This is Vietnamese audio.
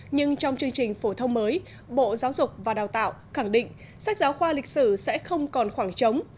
nhưng trong chương trình phổ thông mới bộ giáo dục và đào tạo khẳng định sách giáo khoa lịch sử sẽ không còn khoảng trống